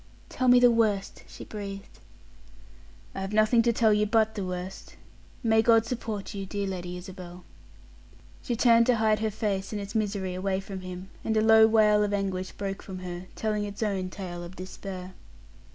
"Tell me the worst," she breathed. "I have nothing to tell you but the worst. May God support you, dear Lady Isabel!" She turned to hide her face and its misery away from him, and a low wail of anguish broke from her, telling its own tale of despair.